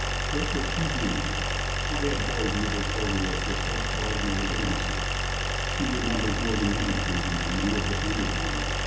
What was she doing here? Why had Boyd never told her of this extraordinary intimacy? She remembered more than one occasion when he had defended the woman.